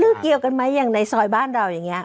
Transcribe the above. เกี่ยวกันไหมอย่างในซอยบ้านเราอย่างนี้